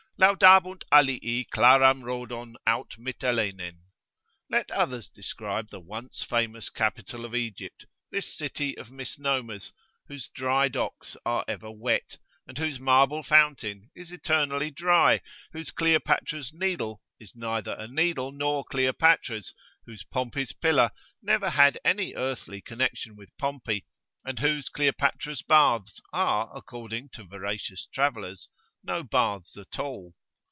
[FN#12] "Laudabunt alii claram Rhodon aut Mytelenen." Let others describe the once famous Capital of [p.10]Egypt, this City of Misnomers, whose dry docks are ever wet, and whose marble fountain is eternally dry, whose "Cleopatra's Needle"[FN13] is neither a needle nor Cleopatra's; whose "Pompey's Pillar" never had any earthly connection with Pompey; and whose Cleopatra's Baths are, according to veracious travellers, no baths at all.